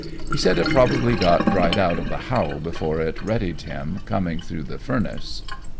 He said it probably got dried out of the howl before it readied him, coming through the furnace.